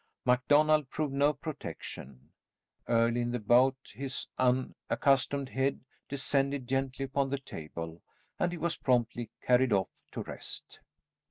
MacDonald proved no protection. Early in the bout his unaccustomed head descended gently upon the table and he was promptly carried off to rest.